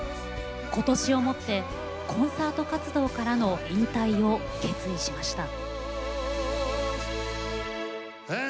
今年をもってコンサート活動からの引退を決意しました。